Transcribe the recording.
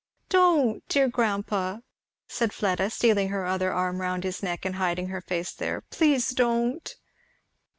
"Don't, dear grandpa," said Fleda, stealing her other arm round his neck and hiding her face there, "please don't!